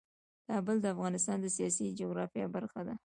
کابل د افغانستان د سیاسي جغرافیه برخه ده.